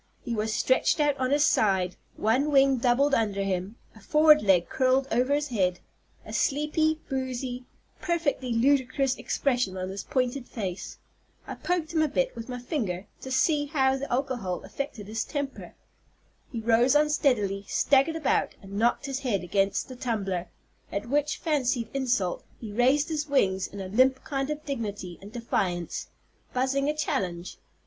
He was stretched out on his side, one wing doubled under him, a forward leg curled over his head, a sleepy, boozy, perfectly ludicrous expression on his pointed face. I poked him a bit with my finger, to see how the alcohol affected his temper. He rose unsteadily, staggered about, and knocked his head against the tumbler; at which fancied insult he raised his wings in a limp kind of dignity and defiance, buzzing a challenge.